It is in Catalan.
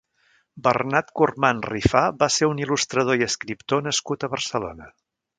Bernat Cormand Rifà va ser un il·lustrador i escriptor nascut a Barcelona.